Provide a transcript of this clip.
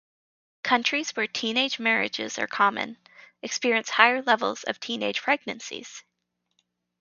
Countries where teenage marriages are common experience higher levels of teenage pregnancies.